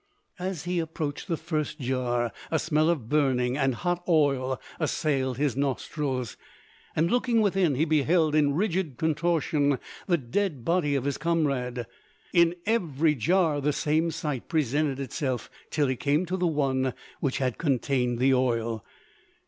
As he approached the first jar a smell of burning and hot oil assailed his nostrils, and looking within he beheld in rigid contortion the dead body of his comrade. In every jar the same sight presented itself till he came to the one which had contained the oil.